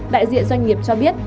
đại diện doanh nghiệp cho biết